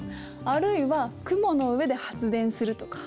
あるいは雲の上で発電するとか！